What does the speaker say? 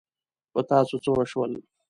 په تاسو څه وشول؟